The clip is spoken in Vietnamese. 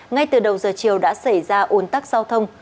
ngay từ đầu giờ chiều đã xảy ra ồn tắc giao thông